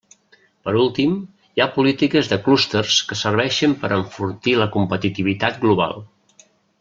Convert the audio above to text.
Per últim, hi ha polítiques de clústers que serveixen per a enfortir la competitivitat global.